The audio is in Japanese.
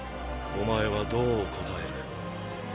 お前はどう応える？